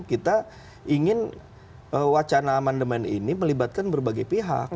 kita ingin wacana amandemen ini melibatkan berbagai pihak